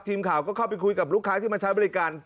ทีมข่าวก็เข้าไปคุยกับลูกค้าที่มาใช้บริการ